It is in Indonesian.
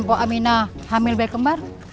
pok amina hamil baik kembar